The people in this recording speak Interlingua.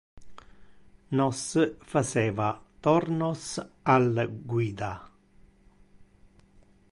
Nos faceva tornos al guida.